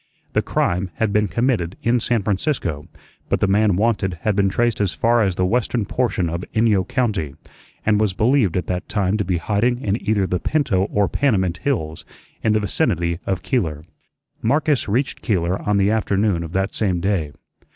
The crime had been committed in San Francisco, but the man wanted had been traced as far as the western portion of Inyo County, and was believed at that time to be in hiding in either the Pinto or Panamint hills, in the vicinity of Keeler. Marcus reached Keeler on the afternoon of that same day.